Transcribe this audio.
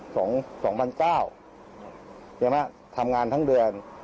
เห็นไหมทำงานทั้งเดือน